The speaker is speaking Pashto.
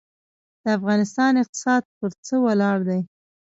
د افغانستان اقتصاد پر څه ولاړ دی؟